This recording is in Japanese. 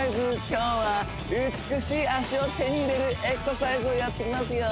今日は美しい脚を手に入れるエクササイズをやっていきますよ